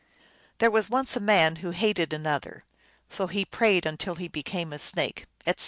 " There was once a man who hated an other. So he prayed until he became a snake," etc.